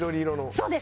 そうです。